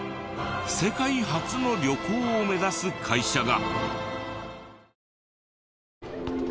世界初の旅行を目指す会社が！